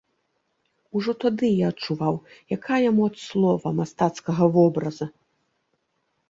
Ужо тады я адчуваў, якая моц слова, мастацкага вобраза.